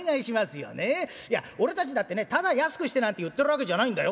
いや俺たちだってねただ安くしてなんて言ってるわけじゃないんだよ。